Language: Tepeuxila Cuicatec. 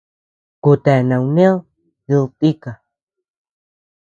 Kutea nauné did tika.